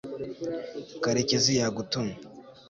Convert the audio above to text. karekezi yagutumye